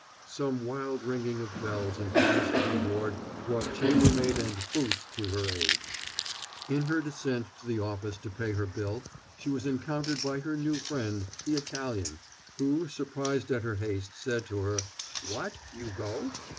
Some wild ringing of bells and promise of reward brought chambermaid and "boots" to her aid. In her descent to the office to pay her bill she was encountered by her new friend, the Italian, who, surprised at her haste, said to her, "What, you go?"